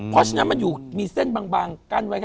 เพราะฉะนั้นมันอยู่มีเส้นบางกั้นไว้แค่